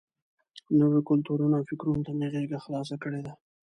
نویو کلتورونو او فکرونو ته مې غېږه خلاصه کړې ده.